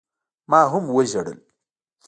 ما هم وجړل.